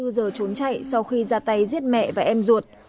hai mươi giờ trốn chạy sau khi ra tay giết mẹ và em ruột